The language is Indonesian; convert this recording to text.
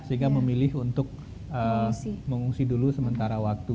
sehingga memilih untuk mengungsi dulu sementara waktu